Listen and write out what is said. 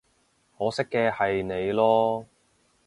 可惜嘅係你囉